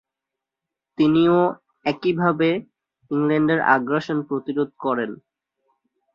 তিনিও একইভাবে ইংল্যান্ডের আগ্রাসন প্রতিরোধ করেন।